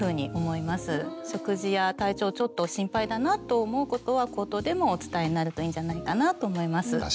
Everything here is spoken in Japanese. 食事や体調ちょっと心配だなと思うことは口頭でもお伝えになるといいんじゃないかなと思います。